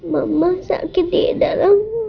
mama sakit di darahku